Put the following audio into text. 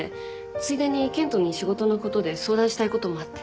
ついでに健人に仕事のことで相談したいこともあって。